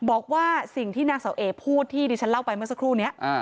บอกว่าสิ่งที่นางเสาเอพูดที่ดิฉันเล่าไปเมื่อสักครู่นี้